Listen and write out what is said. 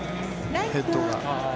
ヘッドが。